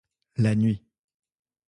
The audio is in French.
La nuit.